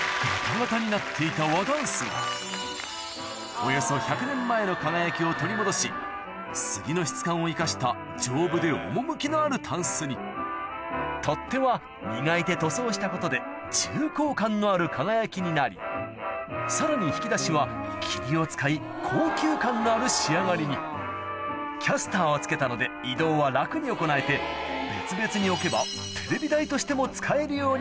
およそ１００年前の輝きを取り戻し杉の質感を生かした丈夫で趣のあるタンスに取っ手は磨いて塗装したことで重厚感のある輝きになりさらに引き出しは桐を使い高級感のある仕上がりにキャスターを付けたので移動は楽に行えてうんすごい。